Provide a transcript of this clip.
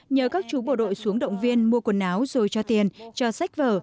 nhờ các chú bộ đội xuống động viên mua quần áo rồi cho tiền cho sách vở